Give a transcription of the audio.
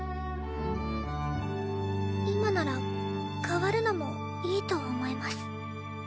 今なら変わるのもいいと思えます。